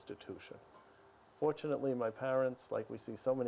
tentang otisme yang anda lakukan